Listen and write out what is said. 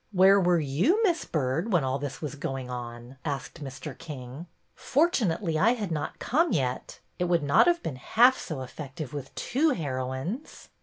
Where were you. Miss Byrd, when all this was going on ?" asked Mr. King. Fortunately I had not come yet. It would not have been half so effective with two heroines."